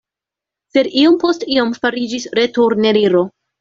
Sed iom post iom fariĝis returneniro.